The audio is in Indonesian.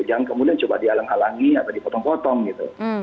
jangan kemudian coba di alang alangi atau dipotong potong gitu